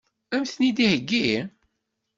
Ad m-ten-id-iheggi?